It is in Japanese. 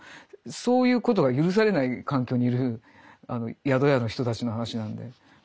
そういうことが許されない環境にいる宿屋の人たちの話なんで。